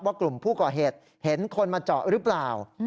กลุ่มผู้ก่อเหตุเห็นคนมาเจาะหรือเปล่า